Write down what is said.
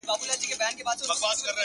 • سم داسي ښكاري راته؛